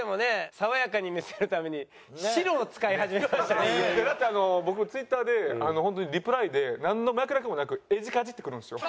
爽やかに見せるためにだって僕Ｔｗｉｔｔｅｒで本当にリプライでなんの脈略もなく「エジカジ」ってくるんですよ。